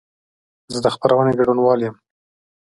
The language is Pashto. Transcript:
زه د خپرونې ګډونوال یم.